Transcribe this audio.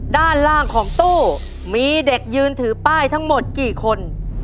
ด้านล่างของตู้มีเด็กยืนถือป้ายทั้งหมดกี่คน